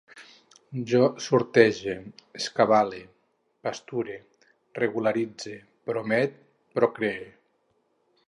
Jo sortege, rescabale, pasture, regularitze, promet, procree